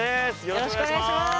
よろしくお願いします。